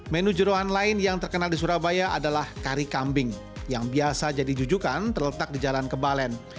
menu jerohan lain yang terkenal di surabaya adalah kari kambing yang biasa jadi jujukan terletak di jalan kebalen